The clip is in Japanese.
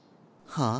はあ。